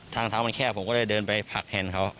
ทางเท้ามันแคบผมก็เลยเดินไปผลักแฮนเขา